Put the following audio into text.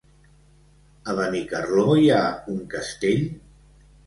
A Benicarló hi ha un castell?